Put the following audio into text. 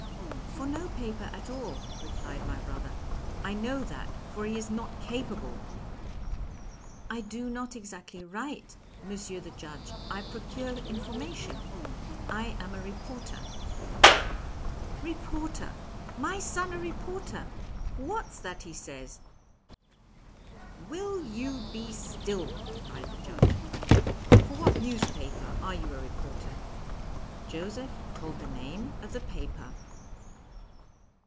'For no paper at all,' replied my brother, 'I know that, for he is not capable.' 'I do not exactly write, Monsieur the Judge; I procure information; I am a reporter.' 'Reporter! My son a reporter? What's that he says?' 'Will you be still!' cried the Judge. For what newspaper are you a reporter?' Joseph told the name of the paper.